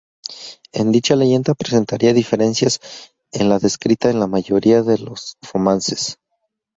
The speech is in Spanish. En dicha leyenda presentaría diferencias con la descrita en la mayoría de los romances.